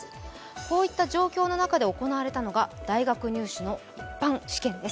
こういった状況の中で行われたのが、大学入試の一般試験です